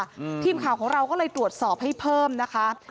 ทีมข่าวของเราก็เลยตรวจสอบให้เพิ่มนะคะ